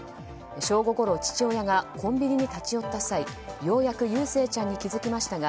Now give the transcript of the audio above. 正午ごろ父親がコンビニに立ち寄った際ようやく祐誠ちゃんに気付きましたが